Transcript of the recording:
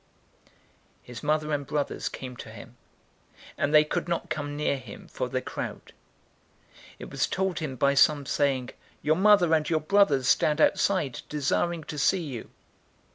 008:019 His mother and brothers came to him, and they could not come near him for the crowd. 008:020 It was told him by some saying, "Your mother and your brothers stand outside, desiring to see you."